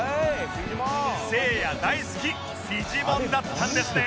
せいや大好きフィジモンだったんですね